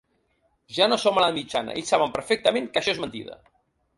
Ja no som a l’edat mitjana, ells saben perfectament que això és mentida.